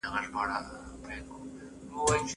نارینه او ښځینه یو بل ته اړتیا لري.